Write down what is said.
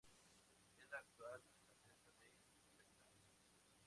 Es la actual alcaldesa de Betanzos.